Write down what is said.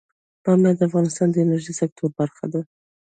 بامیان د افغانستان د انرژۍ سکتور برخه ده.